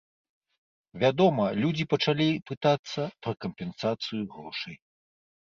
Вядома, людзі пачалі пытацца пра кампенсацыю грошай.